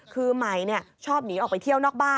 คือไหมชอบหนีออกไปเที่ยวนอกบ้าน